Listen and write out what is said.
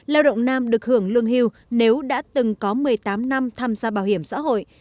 lao động nam được hưởng lương hưu nếu đã từng có một mươi tám năm tham gia bảo hiểm xã hội